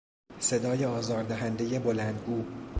صدای آزار دهندهی بلندگو